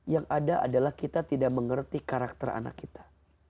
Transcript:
yang ada adalah kita tidak mengerti karakter anak kita